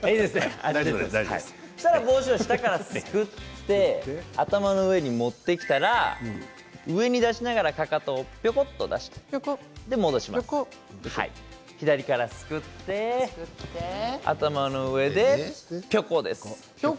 そうしたらボウシを下からすくって頭の上に持ってきたら上に出しながらかかとをぴょこっと出す戻しながら左からすくって頭の上でぴょこっとです。